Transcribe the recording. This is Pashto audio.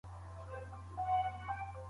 بهرنۍ پالیسي د سولي هڅې نه شنډوي.